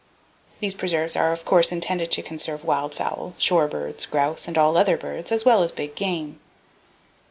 These preserves are of course intended to conserve wild fowl, shore birds, grouse and all other birds, as well as big game.